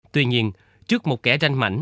tuy nhiên trước một kẻ ranh mảnh